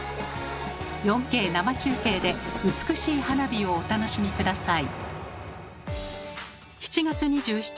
４Ｋ生中継で美しい花火をお楽しみ下さい。